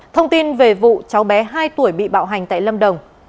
thông tin về vụ cháu bé hai tuổi bị bạo hành tại lâm đồng